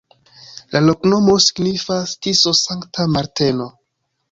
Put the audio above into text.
La loknomo signifas: Tiso-Sankta Marteno.